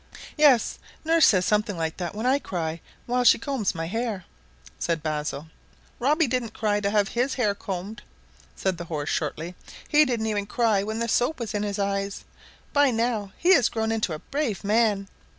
"Yes; nurse says something like that when I cry while she combs my hair," said Basil. "Robbie didn't cry to have his hair combed," said the horse shortly. "He didn't even cry when the soap was in his eyes. By now he has grown into a brave man!